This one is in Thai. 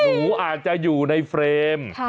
หนูอาจจะอยู่ในเฟรม